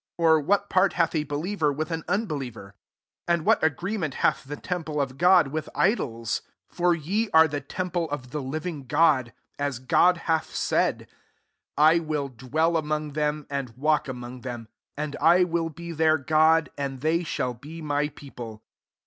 or what part hath a believer with an unbeliever ? 16 and what agree ment hath the temple of God with idols ? For ye are the temple of the living God : as God hath said, « I will dwell among them, and walk among Mem; and I will be their God, and they shall be my people.